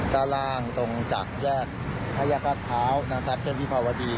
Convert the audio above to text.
ด้านล่างตรงจากแยกไทยกราศเท้านางแทบเช่นพิพาวดี